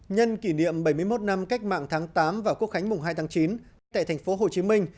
nhân kỷ niệm bảy mươi một năm cách mạng tháng tám và quốc khánh mùng hai tháng chín tại thành phố hồ chí minh